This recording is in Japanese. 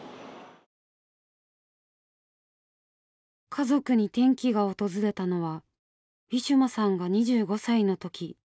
家族に転機が訪れたのはウィシュマさんが２５歳の時。